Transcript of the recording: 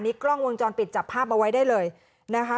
กล้องวงจรปิดจับภาพเอาไว้ได้เลยนะคะ